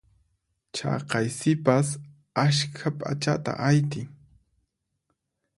Chaqay sipas askha p'achata aytin.